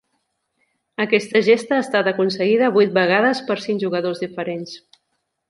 Aquesta gesta ha estat aconseguida vuit vegades per cinc jugadors diferents.